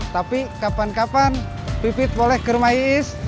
tapi kapan kapan pipit boleh ke rumah iis